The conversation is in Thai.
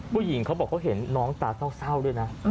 ผู้หญิงเขาบอกเขาเห็นน้องตาเศร้าด้วยนะ